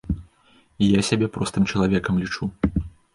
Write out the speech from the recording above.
Я сябе простым чалавекам лічу.